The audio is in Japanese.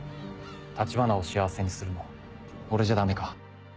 橘を幸せにするの俺じゃダメか？